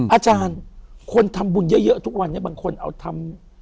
อาจารย์คนทำบุญเยอะทุกวันนี้บางคนเอาทำ